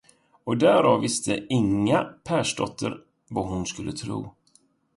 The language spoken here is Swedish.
Och därav visste Inga Persdotter, vad hon skulle tro.